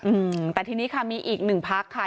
เป็นธรรมนี่แหละอืมแต่ทีนี้ค่ะมีอีกหนึ่งพักค่ะ